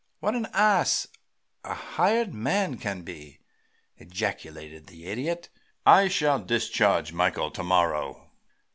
"What an ass a hired man can be!" ejaculated the Idiot. "I shall discharge Michael to morrow."